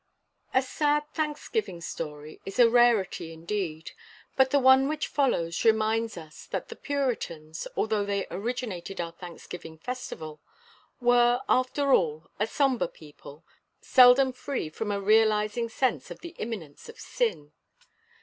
A sad Thanksgiving story is a rarity indeed. But the one which follows reminds us that the Puritans, although they originated our Thanksgiving festival, were after all a sombre people, seldom free from a realizing sense of the imminence of sin.